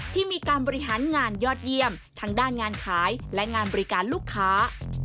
ทั้งงานยอดเยี่ยมทั้งด้านงานขายและงานบริการลูกค้า